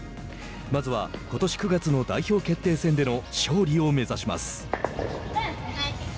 まずは、ことし９月の代表決定戦での勝利を目指します。